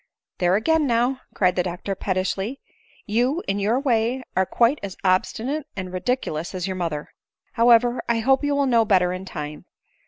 " There again, now !" cried the doctor pettishly ;" you, in your way, are quite as obstinate and ridiculous as your mother. However, I hope you will know better in time.